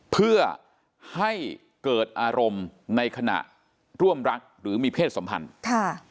เพื่อให้เกิดอารมณ์ในขณะร่วมรักหรือมีเพศสัมพันธ์ค่ะ